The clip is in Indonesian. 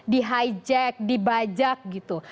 di hijack di bajak gitu